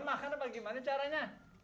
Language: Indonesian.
masker apa gimana caranya